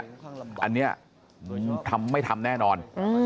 อันนี้ไม่ทำแน่นอน